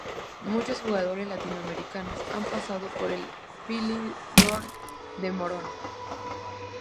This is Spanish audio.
Muchos jugadores latinoamericanos han pasado por "el Philidor de Morón"